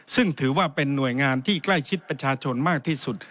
ซึ่งถือว่าเป็นหน่วยงานที่ใกล้ชิดประชาชนมากที่สุด